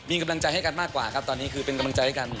มีกำลังใจให้กันมากกว่าครับตอนนี้คือเป็นกำลังใจให้กัน